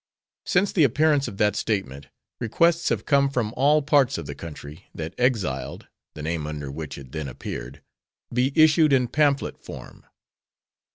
Since the appearance of that statement, requests have come from all parts of the country that "Exiled" (the name under which it then appeared) be issued in pamphlet form.